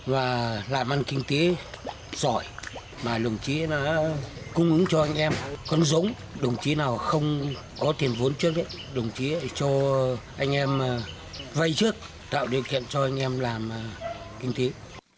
và làm ăn kinh tế giỏi mà đồng chí đã cung ứng cho anh em con giống đồng chí nào không có tiền vốn trước đồng chí cho anh em vây trước tạo điều kiện cho anh em làm kinh tế